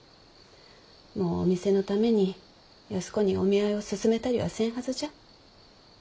もうお店のために安子にお見合いを勧めたりはせんはずじゃ。